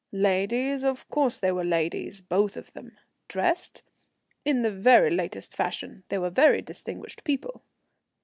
Ladies? Of course they were ladies, both of them. Dressed? In the very latest fashion. They were very distinguished people.